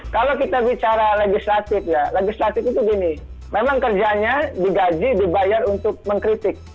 kalau kita bicara legislatif ya legislatif itu gini memang kerjanya digaji dibayar untuk mengkritik